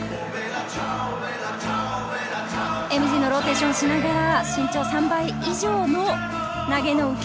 ＭＧのローテーションをしながら身長３倍以上の投げの受け。